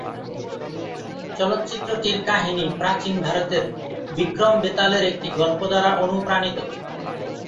চলচ্চিত্রটির কাহিনী প্রাচীন ভারতের বিক্রম-বেতালের একটি গল্প দ্বারা অনুপ্রাণিত।